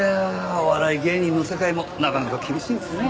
お笑い芸人の世界もなかなか厳しいんですね。